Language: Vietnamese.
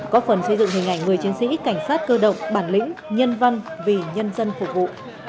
có phần xây dựng hình ảnh người chiến sĩ cảnh sát cơ động bản lĩnh nhân văn vì nhân dân phục vụ